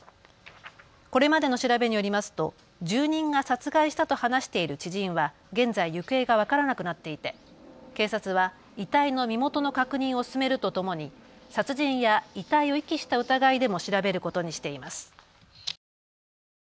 これまでの調べによりますと住人が殺害したと話している知人は現在、行方が分からなくなっていて警察は遺体の身元の確認を進めるとともに殺人や遺体を遺棄した疑いでも調べることにしています。